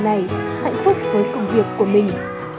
cô giáo này hạnh phúc với công việc của mình